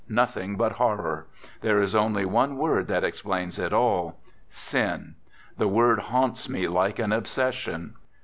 Nothing but horror. There is only one \ word that explains it all: sin. The word haunts ^ me like an obsession.